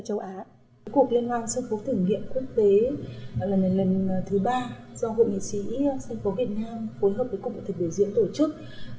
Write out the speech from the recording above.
cuộc liên hoan sân khấu thử nghiệm quốc tế là lần thứ ba do hội nghệ sĩ sân khấu việt nam phối hợp với cục bộ thực biểu diễn tổ chức